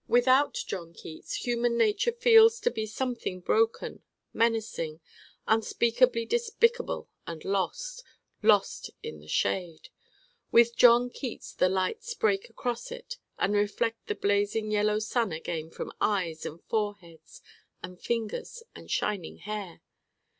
Without John Keats human nature feels to be something broken, menacing, unspeakably despicable and lost lost in the shade. With John Keats the lights break across it and reflect the blazing yellow sun again from eyes and foreheads and fingers and shining hair.